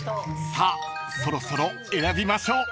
［さあそろそろ選びましょう］